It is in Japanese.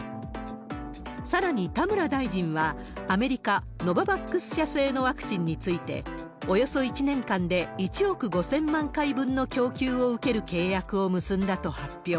さらに田村大臣は、アメリカ、ノババックス社製のワクチンについて、およそ１年間で１億５０００万回分の供給を受ける契約を結んだと発表。